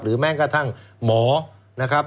หรือแม้งกระทั่งหมอนะครับ